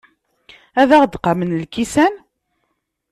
Ad aɣ-d-qamen lkisan?